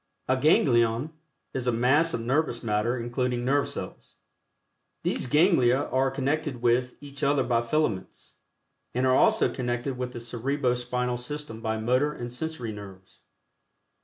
(A ganglion is a mass of nervous matter including nerve cells.) These ganglia are connected with each other by filaments, and are also connected with the Cerebro Spinal System by motor and sensory nerves.